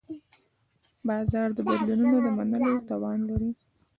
بازار د بدلونونو د منلو توان لري.